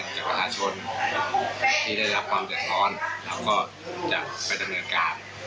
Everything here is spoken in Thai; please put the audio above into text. จะไปดำเนินการ